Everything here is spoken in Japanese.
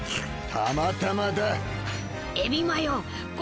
「たまたまだ」